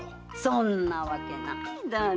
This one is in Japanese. そんなわけないだろ！